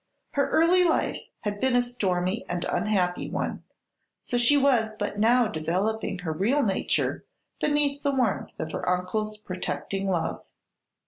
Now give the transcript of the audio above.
Her early life had been a stormy and unhappy one, so she was but now developing her real nature beneath the warmth of her uncle's protecting love.